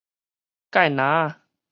芥蘭仔